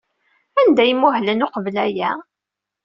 Anda ay muhlent uqbel aya?